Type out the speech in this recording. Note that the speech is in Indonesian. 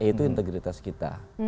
itu integritas kita